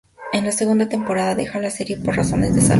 En la segunda temporada deja la serie por razones de salud.